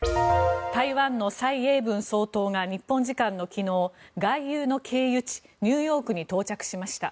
台湾の蔡英文総統が日本時間の昨日外遊の経由地、ニューヨークに到着しました。